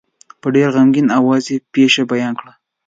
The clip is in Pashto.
په ډېر غمګین آواز یې پېښه بیان کړه.